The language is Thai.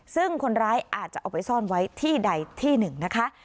ซึ่งคนร้ายอาจจะเอาไปซ่อนไว้ที่ใดที่หนึ่งนะคะ